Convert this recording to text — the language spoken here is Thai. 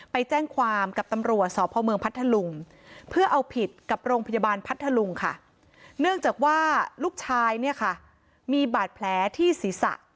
พัทธลุงค่ะเนื่องจากว่าลูกชายเนี่ยค่ะมีบาดแผลที่ศีรษะ